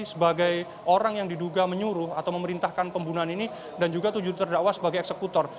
sebagai orang yang diduga menyuruh atau memerintahkan pembunuhan ini dan juga tujuh terdakwa sebagai eksekutor